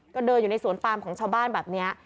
ก็เดินอยู่ในสวนปามของชาวบ้านแบบนี้